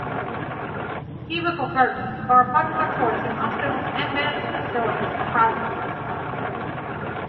Cubicle curtains are a popular choice in hospitals and medical facilities for privacy.